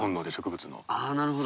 △なるほど。